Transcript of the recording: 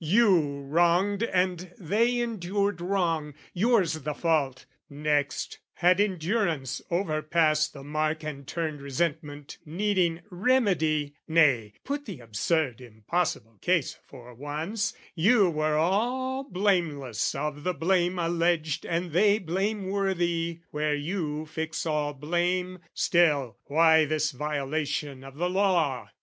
"You wronged and they endured wrong; yours the fault. "Next, had endurance overpassed the mark "And turned resentment needing remedy, "Nay, put the absurd impossible case, for once "You were all blameless of the blame alleged "And they blameworthy where you fix all blame, "Still, why this violation of the law?